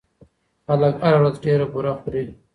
خلک هره ورځ ډېره بوره خوري.